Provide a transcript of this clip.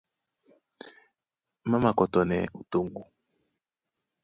Má makɔtɔ́nɛ́ ó toŋgo.